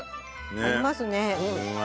合いますね。